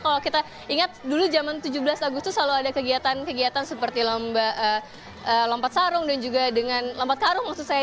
kalau kita ingat dulu zaman tujuh belas agustus selalu ada kegiatan kegiatan seperti lompat sarung dan juga dengan lompat karung maksud saya